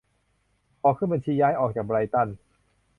ขอขึ้นบัญชีย้ายออกจาก ไบรท์ตัน